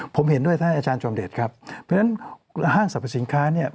ผมเห็นด้วยท่านอาจารย์จอมเดชครับเพราะฉะนั้นห้างสรรพสินค้าเนี่ย